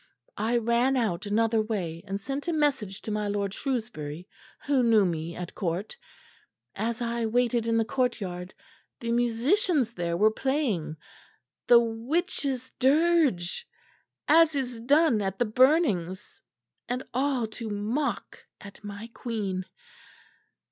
"I ran out another way, and sent a message to my Lord Shrewsbury, who knew me at court. As I waited in the courtyard, the musicians there were playing 'The Witches' Dirge,' as is done at the burnings and all to mock at my queen!